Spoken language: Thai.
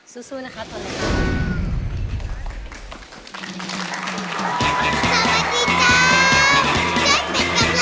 สู้นะครับ